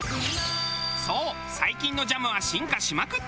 そう最近のジャムは進化しまくっている。